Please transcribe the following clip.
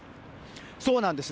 そうなんです。